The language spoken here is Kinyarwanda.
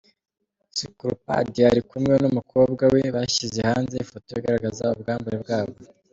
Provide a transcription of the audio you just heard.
Skolopad ari kumwe n’ umukobwa we bashyize hanze ifoto igaragaza ubwambure bwabo.